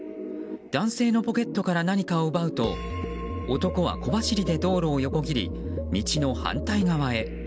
男性のポケットから何かを奪うと男は小走りで道路を横切り道の反対側へ。